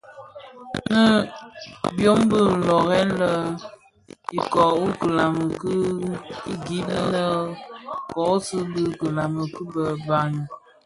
Nnë byom bi löören lè iköö wu kilami ki gib nnë kōsuu bi kilami ki bë bani.